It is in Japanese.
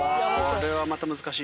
これはまた難しい。